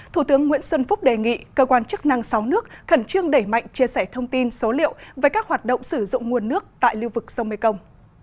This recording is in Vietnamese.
thủ tướng nguyễn xuân phúc đề nghị cơ quan chức năng sáu nước khẩn trương đẩy mạnh chia sẻ thông tin số liệu về các hoạt động sử dụng nguồn nước tại lưu vực sông mekong